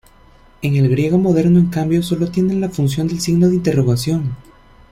En el griego moderno, en cambio, solo tiene la función del signo de interrogación.